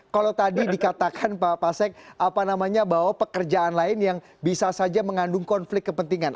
kalau tadi dikatakan pak pasek apa namanya bahwa pekerjaan lain yang bisa saja mengandung konflik kepentingan